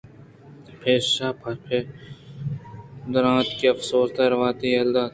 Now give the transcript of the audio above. پمیشا پشومانی درّائینیت افسوز ءُ ارمان! وتی یلہ بُوئگ ءُ رَوَگے پَچّار ءَ من وتی زِند بَبَا دات